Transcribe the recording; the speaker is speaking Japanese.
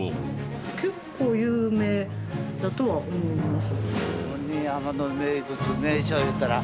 結構有名だとは思います。